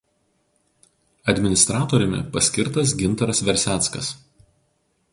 Administratoriumi paskirtas Gintaras Verseckas.